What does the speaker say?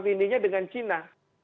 tindinya dengan cina